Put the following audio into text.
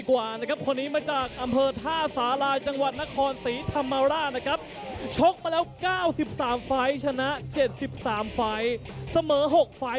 ขอบคุณสายรุงสวชัยเจริญ